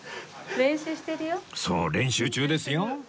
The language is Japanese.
そう練習中ですよ